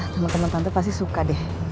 teman teman tante pasti suka deh